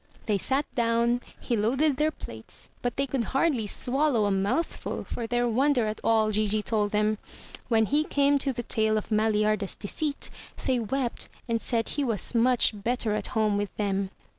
They sat down; he loaded their plates; but they could hardly swallow a mouthful for their wonder at all Gigi told them. When he came to the tale of Maliarda's deceit, they wept and said he was much better at home with them.